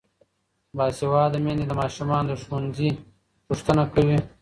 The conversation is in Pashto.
باسواده میندې د ماشومانو د ښوونځي پوښتنه کوي.